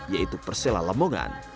yaitu persela lamongan